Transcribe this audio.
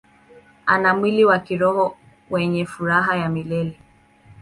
Ana mwili wa kiroho wenye furaha ya milele.